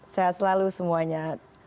sehat selalu semuanya